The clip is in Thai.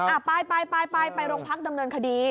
ไปไปไปไปไปไปร่งพักดำเนินคดี